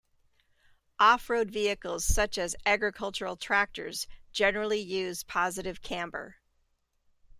Off-road vehicles such as agricultural tractors generally use positive camber.